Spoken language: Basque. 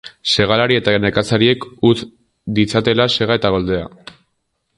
Segalari eta nekazariek utz ditzatela sega eta goldea.